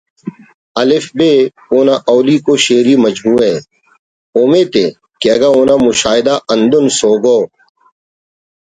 ”الف ب“ اونا الیکو شئیری مجموعہ ءِ اومیت ءِ کہ اگہ اونا مشاہدہ ہندن سوگو